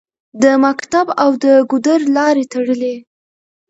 د مکتب او د ګودر لارې تړلې